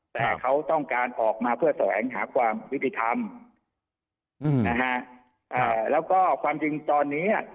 แต่เขาต้องการออกมาเพื่อแสวงหาความยุติธรรมนะฮะแล้วก็ความจริงตอนนี้อ่ะ